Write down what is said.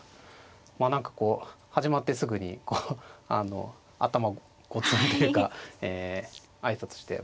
まあ何かこう始まってすぐに頭ゴツンというか挨拶して。